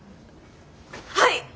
はい！